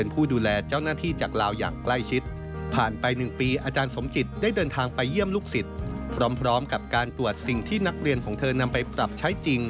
พร้อมกับการตรวจสิ่งที่นักเรียนของเธอนำไปปรับใช้จริง